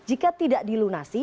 jika tidak dilunasi